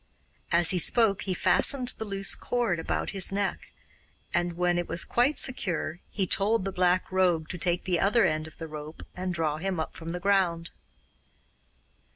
As he spoke he fastened the loose cord about his neck, and when it was quite secure he told the Black Rogue to take the other end of the rope and draw him up from the ground.